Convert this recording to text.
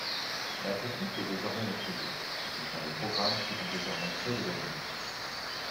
La technique est désormais maîtrisée, ce sont les programmes qui vont désormais créer l'événement.